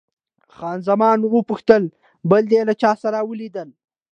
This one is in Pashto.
خان زمان وپوښتل، بل دې له چا سره ولیدل؟